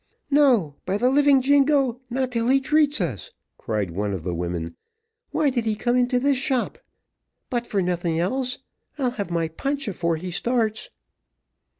"No, by the living jingo! not till he treats us," cried one of the women; "why did he come into this shop, but for nothing else? I'll have my punch afore he starts."